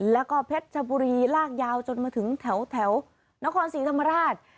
แล้วก็เพชรชบุรีลากยาวจนมาถึงแถวนครศรีธรรมราช